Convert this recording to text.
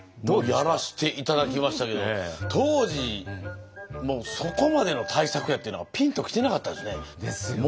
やらして頂きましたけど当時そこまでの大作やっていうのがピンときてなかったですね。ですよね。